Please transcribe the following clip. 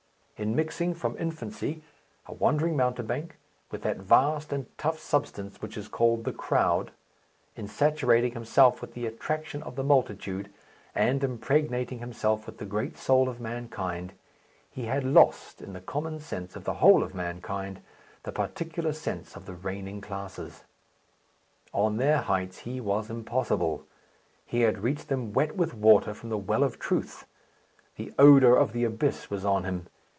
In mixing, from infancy, a wandering mountebank, with that vast and tough substance which is called the crowd, in saturating himself with the attraction of the multitude, and impregnating himself with the great soul of mankind, he had lost, in the common sense of the whole of mankind, the particular sense of the reigning classes. On their heights he was impossible. He had reached them wet with water from the well of Truth; the odour of the abyss was on him.